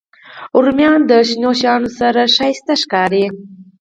رومیان د شنو سبو سره ښکلي ښکاري